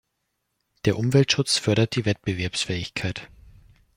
Der Umweltschutz fördert die Wettbewerbsfähigkeit.